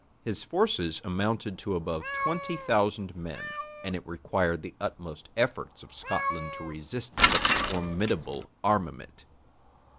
His forces amounted to above twenty thousand men; and it required the utmost efforts of Scotland to resist such a formidable armament.